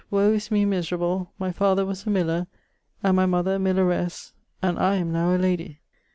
Woe is me miserable, my father was a miller, and my mother a milleresse, and I am now a ladie.